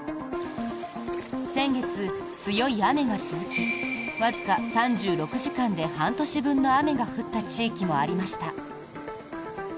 先月、強い雨が続きわずか３６時間で半年分の雨が降った地域もありました。